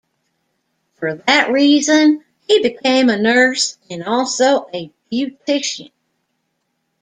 For that reason, he became a nurse and also a beautician.